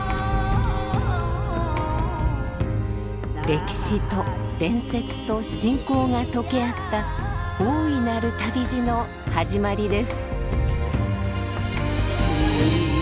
歴史と伝説と信仰が溶け合った大いなる旅路の始まりです。